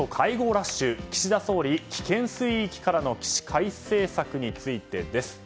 ラッシュ岸田総理、危険水域からの起死回生策についてです。